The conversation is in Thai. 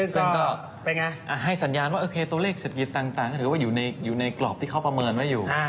ซึ่งก็ให้สัญญาณว่าโอเคตัวเลขเศรษฐกิจต่างก็ถือว่าอยู่ในกรอบที่เขาประเมินไว้อยู่